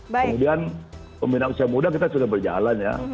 kemudian pembinaan usia muda kita sudah berjalan ya